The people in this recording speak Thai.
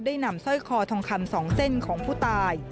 นำสร้อยคอทองคำ๒เส้นของผู้ตาย